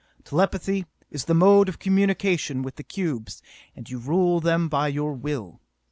Telepathy is the mode of communication with the cubes, and you rule them by your will.